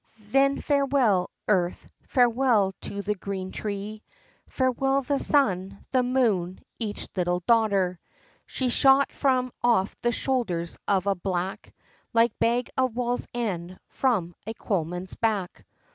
Then farewell, earth farewell to the green tree Farewell, the sun the moon each little daughter! She's shot from off the shoulders of a black, Like bag of Wall's End from a coalman's back. XIV.